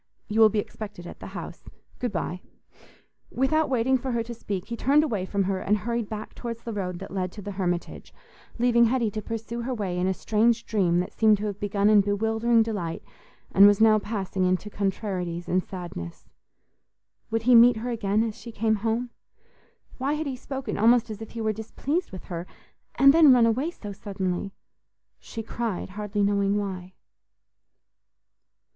You will be expected at the house. Good bye." Without waiting for her to speak, he turned away from her and hurried back towards the road that led to the Hermitage, leaving Hetty to pursue her way in a strange dream that seemed to have begun in bewildering delight and was now passing into contrarieties and sadness. Would he meet her again as she came home? Why had he spoken almost as if he were displeased with her? And then run away so suddenly? She cried, hardly knowing why.